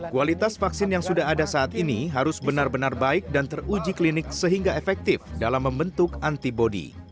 kualitas vaksin yang sudah ada saat ini harus benar benar baik dan teruji klinik sehingga efektif dalam membentuk antibody